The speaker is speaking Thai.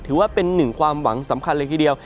ถือว่าเป็นหนึ่งความหวังสำคัญเลยทีเดียว